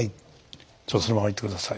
ちょっとそのままいて下さい。